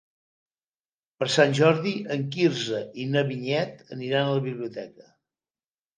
Per Sant Jordi en Quirze i na Vinyet aniran a la biblioteca.